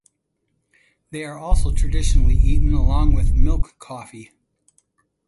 They are also traditionally eaten along with milk coffee.